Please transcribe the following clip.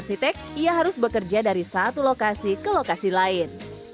arsitek ia harus bekerja dari satu lokasi ke lokasi lain